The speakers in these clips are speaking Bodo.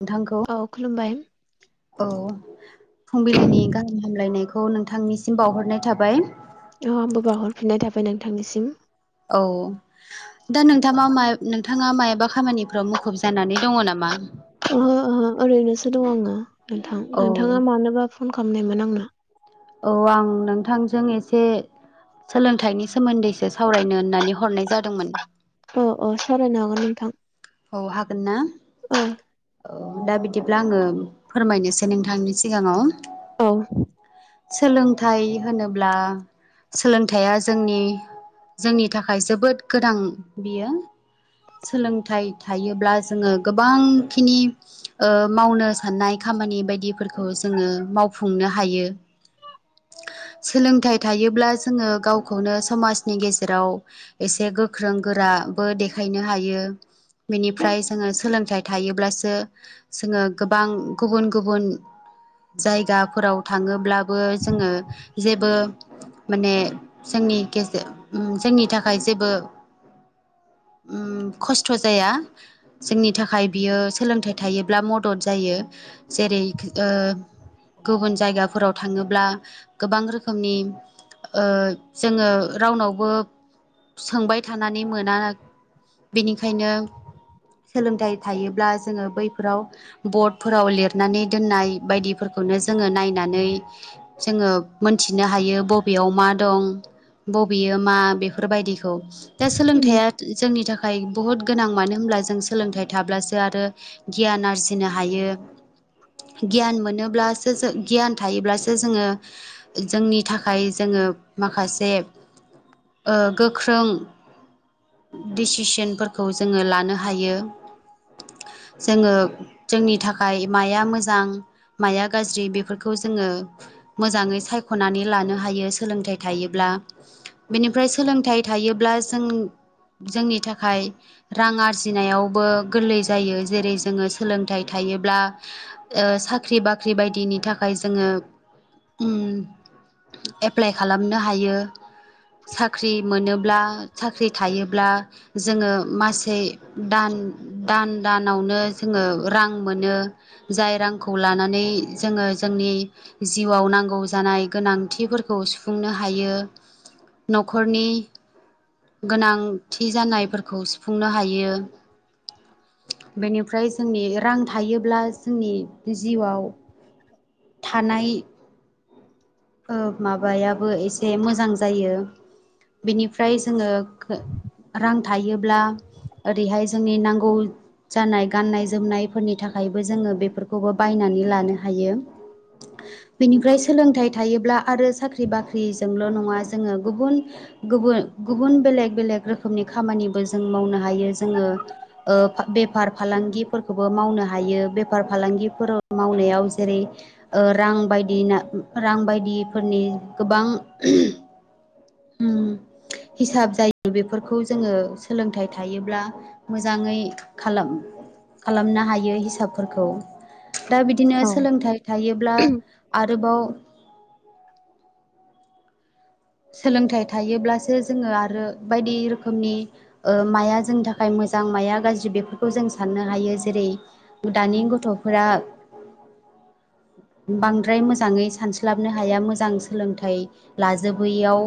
नोंथांखौ औ खुलुमबाय औ फुंबिलिनि गाहाम हामलायनायखौ नोंथांनिसिम बावहरनाय थाबाय औ आंबो बावहरफिननाय थाबाय नोंथांनिसिम। औ दा नोंथाङा नोंथाङा मायाबा खामानिफ्राव मुखुब जानानै दङ नामा? ओहो ओहो ओरैनोसो दं आङो नोंथां औ नोंथाङा मानोबा फन खालामनायमोन आंनाव औ आं नोंथांजों एसे सोलोंथाइनि सोमोन्दैसो सावरायनो होननानै हरनाय जादोंमोन। औ औ सावरायनो हागोन नोंथां। औ हागोन ना? औ दा बिदिब्ला आङो फोरमायनोसै नोंथांनि सिगाङाव औ सोलोंथाइ होनोब्ला सोलोंथाइया जोंनि जोंनि थाखाय जोबोद गोनां बियो सोलोंथाइ थायोब्ला जोङो गोबां खिनि ओ मावनो साननाय खामानि बायदिफोरखौ जोङो मावफुंनो हायो। [inaudible] सोलोंथाइ थायोब्ला जोङो गावखौनो समाजनि गेजेराव एसे गोख्रों गोरा दाबो देखायनो हायो। बेनिफ्राय जोङो सोलोंथाइ थायोब्लासो जोङो गोबां गुबुन गुबुन जायगाफोराव थाङोब्लाबो जोङो जेबो माने ज जोंनि गेजेर जोंनि थाखाय जेबो [inaudible] उ खस्थ' जाया । जोंनि थाखाय बियो सोलोंथाइ थायोब्ला मदद जायो। जेरै ओ गुबुन जायगाफोराव थाङोब्ला गोबां रोखोमनि जोङो रावनावबो सोंबाय थानानै मोना। बेनिखायनो सोलोंथाइ थायोब्ला जोङो बैफोराव बर्डफोराव लिरनानै दोननाय बायदिफोरखौ बेखौनो जोङो नायनानै जोङो मोनथिनो हायो । बबेयाव मा दं? बबेयो मा बेफोरबायदिखौ दा उम सोलोंथाइया जोंनि थाखाय बुहुत गोनां मानो होनब्ला । जों सोलोंथायाइ थाब्लासो आरो गियान आरजिनो हायो। गियान मोनोब्लासो जों गियान थायोब्लासो जोङो जोंनि थाखाय जोङो माखासे गोख्रों दिसिसनफोरखौ जोङो लानो हायो। [inaudible] जोङो जोंनि थाखाय माया मोजां माया गाज्रि? बेफोरखौ जोङो मोजाङै सायख'नानै लानो हायो। सोलोंथाइ थायोब्ला बेनिफ्राय सोलोंथाइ थायोब्ला जों जोंनि थाखाय रां आरजिनायावबो गोरलै जायो जेरै जोङो सोलोंथाइ थायोब्ला साख्रि बाख्रि बायदिनि थाखाय जोङो एप्लाइ खालामनो हायो। साख्रि मोनोब्ला साख्रि थायोब्ला जोङो मासै दान दान दानावनो जोङो रां मोनो । जाय रांखौ लानानै जोङो जोंनि नि जिउआव नांगौ जानाय गोनांथिफोरखौ सुफुंनो हायो। नखरनि गोनांथि जानायफोरखौ सु फुंनो हायो। बेनिफ्राय जोंनि रां थायोब्ला जोंनि जिउआव थानाय ओ माबाया बो एसे मोजां जायो। बेनिफ्राय जोङो रां थायोब्ला ओरै हाय जोंनि नांगौ जानाय गाननाय जोमनायफोरनि थाखायबो जोङो बेफोरखौबो बायनानै लानो हायो। बेनिफ्राय सोलोंथाइ थायोब्ला आरो साख्रि बाख्रि न जोंल नङा जोङो गुबुन गुबुन गुबुन बेलेग बेलेग रोखोमनि खामानिबो जो मावनो हायो। जोङो ओ बेफार फालांगिफोरखौबो मावनो हायो बेफार फालांगि फोराव मावनायाव जेरै ओ रां बायदिनो रां बायदिफोरनि गोबां [inaudible] उम [inaudible] हिसाब जायो । बेफोरखौ जोङो सोलोंथाइ थायोब्ला मोजाङै खालाम खालामनो हायो हिसाबफोरखौ दा बिदिनो औ सोलोंथाइ थायोब्ला आरोबाव सोलोंथाइ थायोब्लासो जोङो आरो बायदि रोखोमनि माया जोंनि थाखाय मो जां माया गाज्रि बेफोरखौ जों साननो हायो। जेरै दानि गथफोरा [inaudible] बांद्राय मोजाङै सानस्लाबनो हाया मोजां सोलोंथाइ लाजोब बैयाव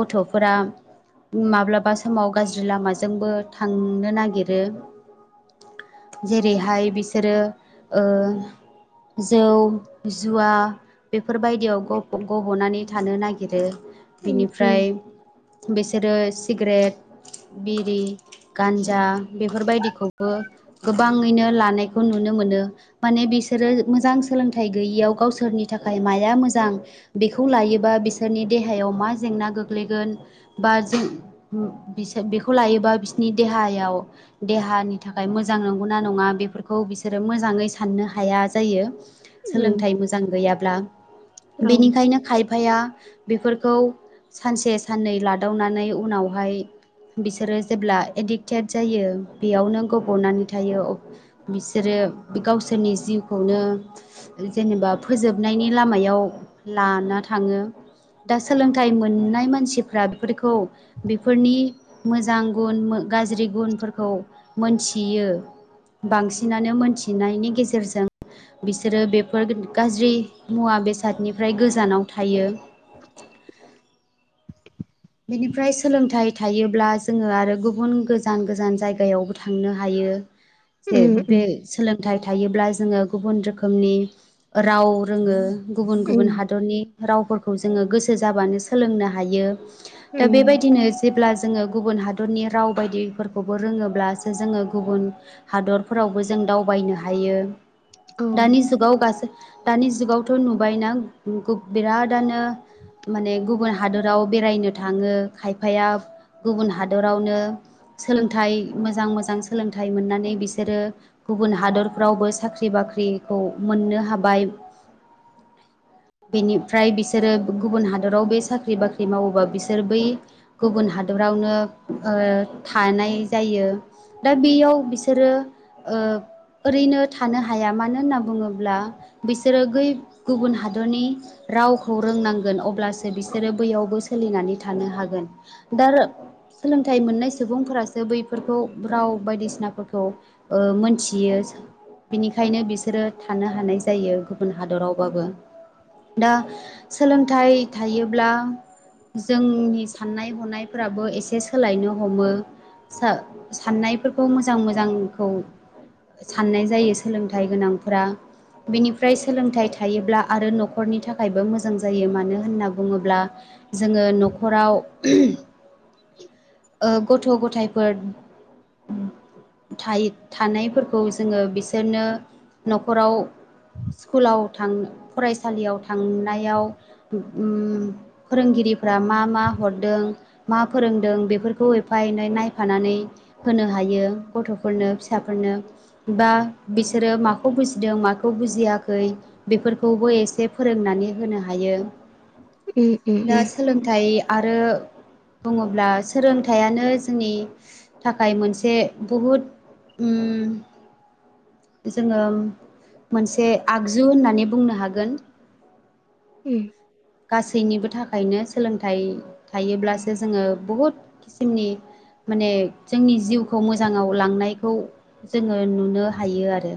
गथफोरा माब्लाबा समाव गाज्रि लामाजोंबो थांनो नागिरो। जेरै हाय बिसोरो ओ जौ जुवा बेफोर बायदियाव ग गबनानै थानो नागिरो। उम उम बिनिफ्राय बिसोरो सिग्रेट बिरि गान्जा बेफोर बायदिखौबो गोबां लानायखौ नुनो मोनो माने बिसोरो मोजां सोलोंथाइ गैयियाव गावसोरनि थाखाय मा या मोजां बेखौ लायोबा बिसोरनि देहायाव मा जेंना गोगै ग्लैगोन बा जों बिस बेखौ लायोबा बिसोरनि देहायाव दे हानि थाखाय मोजां नंगौना नङा बेफोरखौ बिसोरो मोजाङै साननो हाया जायो। उम सोलोंथाइ मोजां गैयाब्ला औ बेनिखायनो खायफाया बेफोरखौ सानसे साननै लादावनानै उनाव हाय बिसोरो जेब्ला एडिक्टेड जायो बेयावनो गबनानै अब थायो बिसोरो यो गावसोरनि जिउखौनो जेनेबा फोजोबनायनि लामायाव लाना थाङो। दा सोलोंथाइ मोननाय मानसिफ्रा बेफोरखौ बेफोरनि मोजां गुन मो गो गाज्रि गुनफोरखौ मोनथियो। बांसिनानो मोनथिनायनि गेजेरजों बिसोरो बेफोर गाज्रि मुवा बेसादनिफ्राय गोजानाव थायो। बेनिफ्राय सोलोंथाइ थायोब्ला जोङो आरो गुबुन गोजान गोजान जायगायावबो थांनो हायो। यो जे उम बे उम सोलोंथाइ थायोब्ला जोङो। गुबुन रोखोमनि राव रोङो गुबुन उम गुबुन हादरनि रावफोरखौ जोङो गोसो जाबानो सोलोंनो हायो दा उम औ बेबायदिनो जेब्ला जोङो गुबुन हादरनि राव बायदिफोरखौबो रोङोब्लासो जोङो गुबुन हादरफोरावबो जोङो दावबायनो हायो दानि जुगाव गास दानि जुगावथ नुबायना गु बिरादनो माने गुबुन हादराव बेरायनो थाङो खायफाया गुबुन हादरावनो सोलोंथाइ मोजां मोजां सोलोंथाइ मोननानै बिसोरो गुबुन हादरफ्रावबो साख्रि बाख्रि साख्रिखौ मोननो हाबाय [inaudible] बेनिफ्राय बिसोरो गुबुन हादराव बे साख्रि बाख्रि मावोबा बिसोर जोर बै गुबुन हादरावनो ओ थानाय जायो। दा बेयाव बिसोरो ओ ओरैनो थानो हाया मानो होनना बुङोब्ला बिसोरो गै गुबुन हादरनि रावखौ रोंनांगोन अब्लासो बिसोरो बैयावबो सोलिनानै था थानो हागोन दा र सोलोंथाइ मोननाय सुबुंफोरासो बैफोरखौ राव बायदिसिना फोरखौ ओ मोनथियो बिनिखायनो बिसोरो थानो हानाय जायो गुबुन हादरावबाबो दा सोलोंथाइ थायोब्ला जोंनि साननाय हनायफ्राबो एसे सोलायनो हमो सा साननायफोरखौ मोजां मोजांखौ साननाय जायो सोलोंथाइ गोनांफोरा बेनिफ्राय सोलोंथाइ थायोब्ला आरो न'खरनि थाखायबो मोजां जायो मानो होनना बुङोब्ला जों जोङो न'खराव [inaudible] ओ गथ' गथायाइफोर थायो थानायफोरखौ जोङो बिसोरनो न'खराव स्कुलाव थां फरायसालियाव थांनायाव उम फोरोंगिरि फोरा मा मा हरदों मा फोरोंदों बेफोरखौ एफा एनै नायफानानै होनो हायो हायो गथ'फोरनो फिसाफोरनो बा बिसोरो माखौ बुजिदों माखौ बुजिया खै बेफोरखौबो इसे फोरोंनानै होनो हायो [unintelligible] थाय आरो बुङोब्ला सोरोंथायाइयानो जोंनि थाखाय मोनसे बहुद उम जोङो मोनसे आगजु होननानै बुंनो हागोन [unintelligible] गासैनिबो थाखायनो सोलोंथाइ थायोब्लासो जोङो बहुद किसिमनि माने जोंनि जिउखौ मोजाङाव लांनायखौ जोङो नुनो हायो आरो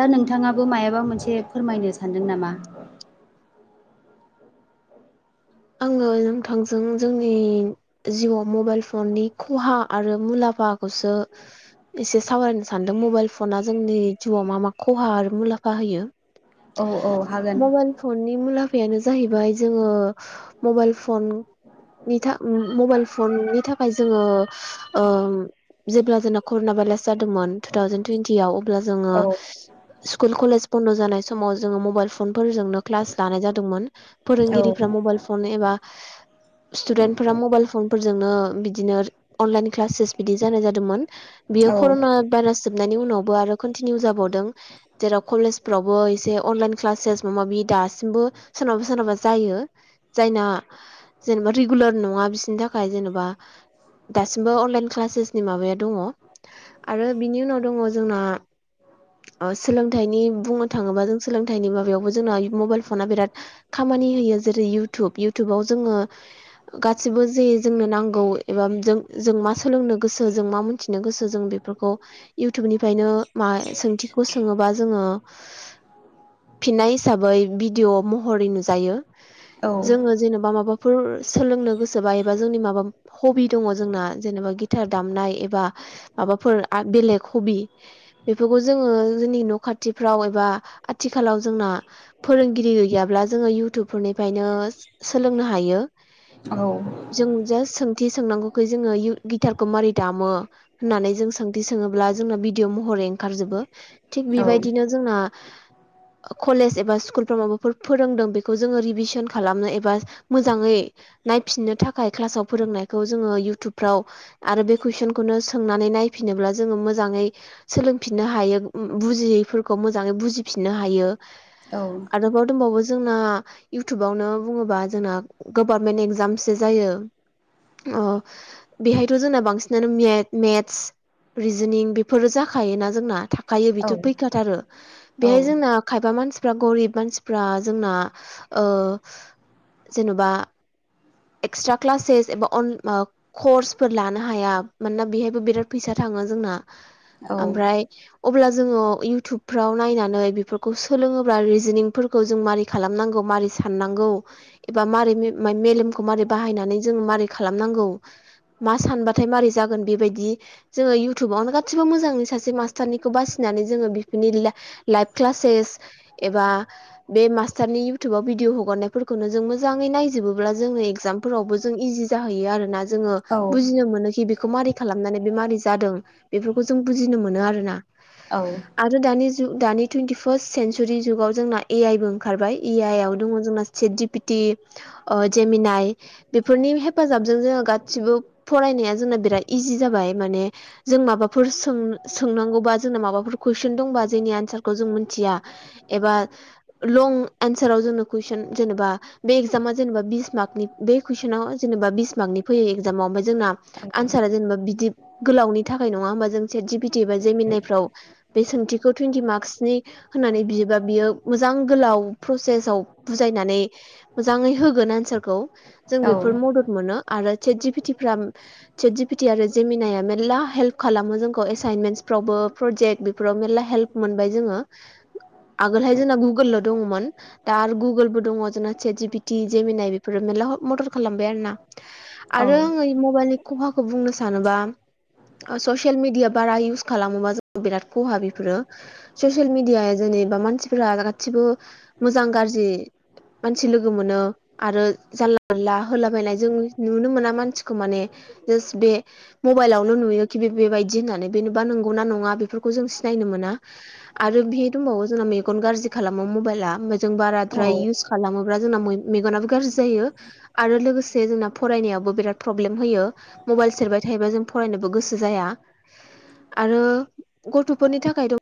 दा नोंथाङाबो मायाबा मोनसे फोरमायनो सानदों नामा? [inaudible] आङो नोंथांजों जोंनि जिउआव मबाइल फननि खहा आरो मुलाम फा खौसो इसे सावरायनो सानदों मबाइल फना जोंनि जिउआव मा मा खहा आरो मुलाम औ औ हागोन [unintelligible] मबाइल फननि मुलाफायानो जाहैबाय जोङो मबाइल फन नि थाख मबाइल फननि थाखाय जोङो ओम जेब्ला जोंना कर'ना भाइलास जादोंमोन टु थावजेन टुवन्टियाव अब्ला जोङो औ स्कुल कलेज बन्द' जानाय समाव जोङो मबाइल फनफोरजोंनो क्लास लानाय जादोंमोन औ फोरोंगिरि फ्रा मबाइल फन एबा स्टुदेन्ट फोरा मबाइल फन फोरजोंनो बिदिनो अनलाइन क्लासेस बिदि जानाय जादोंमोन बियो औ कर'ना भाइरास जोबनायनि उनाव आरो कनटिनिउ जाबावदों जेराव कलेजफ्रावबो एसे अनलाइन क्लासेस माबा माबि दासिमबो सोरनाबा सोरनाबा जायो। जायना जेनेबा रिगुलार नङा बिसोरनि थाखाय जेनेबा दासिमबो अनलाइन क्लासेसनि माबाया दङ। आरो बिनि उनाव दङ जोंना ओ सोलोंथाइनि बुंनो थाङोबा जों सोलोंथाइनि माबायावबो जोंना मबाइल फना बिराद खाम मानि होयो जेरै इउटुब इउटुबाव जोङो गासिबो जे जोंनो नांगौ एबा जों जों मा सोलोंनो गोसो जों मा मिथिनो गोसो जों बे फोरखौ इउटुबनिफ्रायनो मा सोंथिखौ सोङोबा जोङो फिननाय हिसाबै भिदिअ' महरै नुजायो औ जोङो जेनेबा माबाफोर सोलोंनो गोसोबा एबा जोंनि माबा हबि दङ जोंना जेनेबा गि थार दामनाय एबा माबाफोर आग बेलेग हबि बेफोरखौ जोङो जोंनि न' खाथ थिफ्राव एबा आथिखालाव जोंना फोरोंगिरि गैयाब्ला जों थुब फोरनिफ्रायनो सोलोंनो हायो औ जों जा सों थि सोंनांगौखौ जोङो गिटारखौ मारै दामो होननानै जों सोंथि सोङोब्ला जोंना भिदिअ महर ओंखार जोबो। थिग औ बिबायदिनो जोंना कलेज एबा स्कुलफ्राव माबाफोर फोरोंदों बे खौ जोङो रिभिसोन खालामनो एबा मोजाङै नायफिननो थाखाय क्लासाव फोरोंनायखौ जोङो इउटुबफ्राव आरो बे कुइसनखौनो सोंनानै नायफिनोब्ला जोङो मोजाङै सोलोंफिननो हाय बुजियै फोरखौ मोजाङै बुजिफिनो हायो औ आरोबाव दंबावो जोंना इउथुबावनो बुङोबा जोंना गभारमेन्ट एगजामसो जायो अ बेहायथ' जोंना बांसिनानो मे मेथ्स रिजिनिं बेफोरो जाखायोना जोंना खायो बिथ' फैखाथारो बेहाय औ जोंना खायफा मानसिफ्रा गरिब मानसिफ्रा जोंना ओ जेन'बा एक्सट्रा क्लासेस एबा अन कर्सफोर लानो हाया मानोना बेहायबो बिराद फैसा था थाङो जोंना ओमफ्राय अब्ला जोङो इउटुबफ्राव नायनानै बेफोरखौ सोलोङोब्ला रिजनिंफोरखौ जों मारै खालामनांगौ मारै साननांगौ एबा मारै मेलेमखौ मारै बाहायनानै जों मारै खालामनांगौ मा सानबाथाय मारै जागोन बेबायदि जोङो इयउथुबावनो गासिबो मोजांङै सासे मास्टारनिखौ बासिनानै [unintelligible] लाइभ क्लासेस एबा बे मास नि इउटुबाव भिडिअ हगारनायफोरखौनो जों मोजाङै नायजोबोब्ला जोङो एगजामफोरावबो जों इजि जाहैयो आरो ना जोङो बुजिनो मोनोखि बेखौ मारै खालामनानै मारै जादों बेफोरखौ जों‌ बुजिनो मोनो‌ आरो ना आरो दानि जु दानि टुइन्टि फार्स्ट सेेनसुरि जुगाव जोंना ए आइबो ओखारबाय ए आइ आव दङ जोंना chat G P T Gemini बेफोरनि हेफाजाब जोंनो गासिबो फरायनाया जोंना बिराद इजि जाबाय माने जों माबाफोर सों-सों सोंनांगौबा जोंना माबाफोर कुइसन दंबा जोंनि एनसारखौ जों मिथिया एबा लं एनसाराव जोंनो कुइसन जेनेबा बे एगजामा जेनेबा बिस मार्कनि बे कुइसनाव जेनेबा बिस मार्कनि फैयो एगजामाव जोंना आनसारा जेनेबा बिदि गोलावनि थाखाय नङा होमबा जों सेट जि फि थि एबा जेमिनाइ फ्राव बे सोंथिखौ टुइन्टि मार्कसनि होननानै बियोबा बियो मोजां गोलाव प्रसेसाव बुजायनानै मोजाङै होगोन एनसारखौ जों बेफोर मदद मोनो आरो चेत जि पिटिफ्रा सेट जि पिटि आरो जेमिनाया मेर्ला हेल्प खालामो जोंखौ एसाइनमेन्टस फ्रावबो प्रजेक बेफोराव मेरला हेलब मोनबाय जोङो आगोलहाय जोंना गुगोलल' दङमोन दा आरो गुगोलबो दङ जोंना chat G P T Gemini बेफोरो मेरला मदद खालामबाय आरो ना औ आरो आङो मबाइलनि खहाखौ बुंनो सानोबा ससियेल मिडिया बारा इउस खालामोबा जों बिराद खहा बेफोरो ससियेल मिडिया बा मानसिफोरा गासिबो मोजां गाज्रि मानसि लोगो मोनो आरो जानला मोनला होलाबायनाय जों नुनो मोना मानसिखौ माने जास बे मबाइलावनो नुयो कि बे बेबायदि होननानै बेेनबा नंगौ ना नङा बेफोरखौ जों सिनाय मोना आरो बेहाय दंबावो जोंना मेगन गाज्रि खालामो मबाइला होमबा जों औ बाराद्राय औ इउज खालामो बा जोंना मे-मेगनाबो गाज्रि जायो आरो लोगोसे जोंना फरायनायावबो बिराद प्रब्लेम होयो। मबाइल सेरबाय थायोबा जों फरायनोबो गोसो जाया आरो गथ'फोरनि थाखायथ'